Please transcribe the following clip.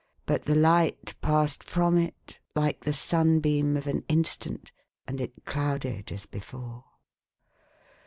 But the light passed from it, like the sunbeam of an instant, and it clouded as before.